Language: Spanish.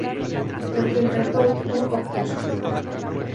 Perfil recto u obtuso.